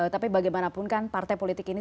tapi bagaimanapun kan partai politik ini